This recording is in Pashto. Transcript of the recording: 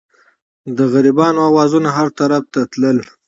د غریبانو اوازونه هر طرف ته تلل.